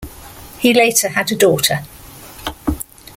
He later had a daughter.